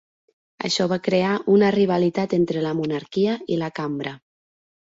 Això va crear una rivalitat entre la monarquia i la Cambra.